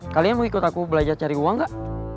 kalian mau ikut aku belajar cari uang gak